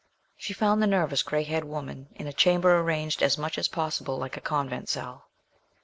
She found the nervous grey haired woman in a chamber arranged as much as possible like a convent cell.